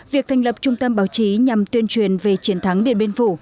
việc thành lập trung tâm báo chí nhằm tuyên truyền về chiến thắng điện biên phủ